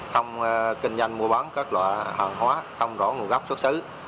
không kinh doanh mua bán các loại hàng hóa không rõ nguồn gốc xuất xứ